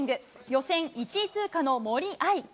予選１位通過の森秋彩。